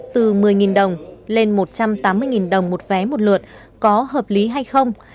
từ một mươi đồng lên một trăm tám mươi đồng một vé một lượt có hợp lý hay không